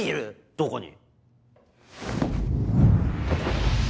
どこに？